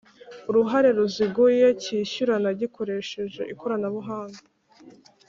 Uruhare ruziguye cyishyurana gikoresheje ikoranabuhanga